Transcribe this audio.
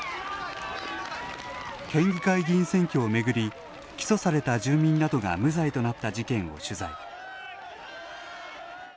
県議会議員選挙を巡り起訴された住民などが無罪となった事件を取材。